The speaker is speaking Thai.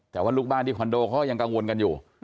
แต่ว่าลูกบ้านที่คอนโดเขาก็ยังกังวลกันอยู่